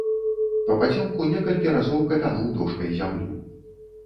Папацёмку некалькі разоў капянуў дошкай зямлю.